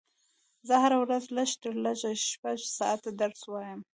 زه هره ورځ لږ تر لږه شپږ ساعته درس وایم